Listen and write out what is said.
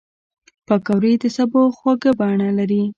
پکورې د سبو خواږه بڼه لري